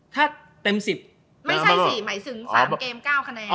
ถ้าเต็มสิบไม่ใช่สี่หมายถึงสามเกม๙คะแนน